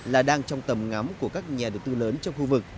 là đang trong tầm ngắm của các nhà đầu tư lớn trong khu vực